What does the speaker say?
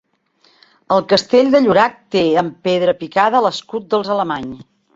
El castell de Llorac té en pedra picada l'escut dels Alemany.